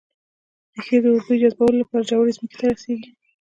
ريښې د اوبو جذبولو لپاره ژورې ځمکې ته رسېږي